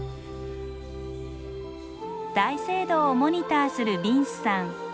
大聖堂をモニターするビンスさん。